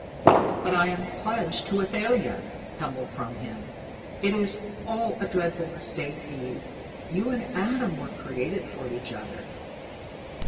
"But I am pledged to Athalia!" tumbled from him. "It is all a dreadful mistake, Eve. You and Adam were created for each other."